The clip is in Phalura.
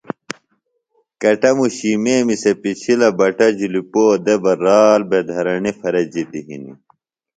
کٹموشی میمیۡ سےۡ پِچھلہ بٹہ جُھلیۡ پو دےۡ بہ رال بھےۡ دھرݨیۡ پھرےۡ جِتیۡ ہنیۡ